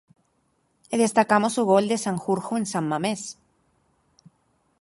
E destacamos o gol de Sanjurjo en San Mamés.